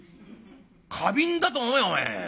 花瓶だと思えばお前。